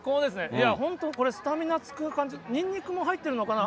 いや、本当、これ、スタミナつく感じ、ニンニクも入ってるのかな？